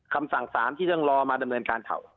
คำสั่งสารที่ต้องรอมาดำเนินการเขา